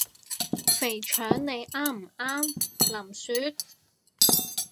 肥腸你啱唔啱？林雪？